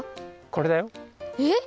これだよ。えっ？